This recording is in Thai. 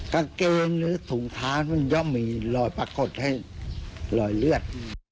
ก็เกรงหรือสูงทานมันยอมมีรอยปรากฏให้รอยเลือด